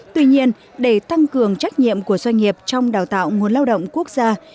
tuy nhiên để tăng cường trách nhiệm của doanh nghiệp trong đào tạo nguồn lao động quốc gia